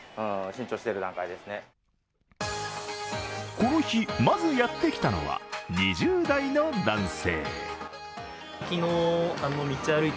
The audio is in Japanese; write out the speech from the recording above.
この日、まずやってきたのは２０代の男性。